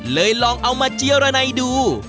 เลยลองเอามาเจียวระไนดู